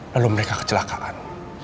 lalu mereka kecelakaan